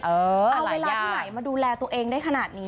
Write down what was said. เออหลายอย่างเอาเวลาที่ไหนมาดูแลตัวเองได้ขนาดนี้